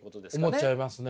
思っちゃいますね。